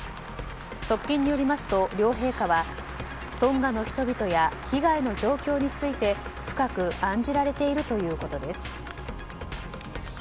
側近によりますと両陛下はトンガの人々や被害の状況について深く案じられているということです。